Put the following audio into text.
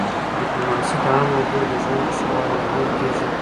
ډیپلوماسي د عامو وګړو د ژوند د ښه والي لامل کېږي.